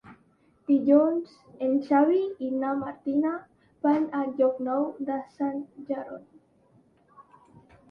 Dilluns en Xavi i na Martina van a Llocnou de Sant Jeroni.